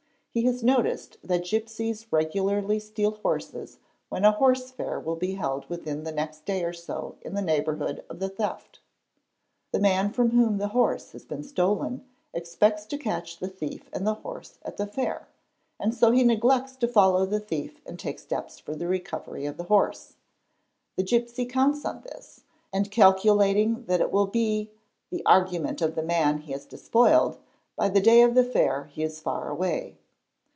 He has noticed that gipsies regularly steal horses when a horse fair will be held within the next day or so in the neighbourhood of the theft. The man from whom the horse has been stolen expects to catch the thief and Hl L the horse at the fair, and so he neglects to follow the thief and take | steps for the recovery of the horse. The gipsy counts on this, and ' calculating that it will be the argument of the man he has dispoiled, by the day of the fair he is far away.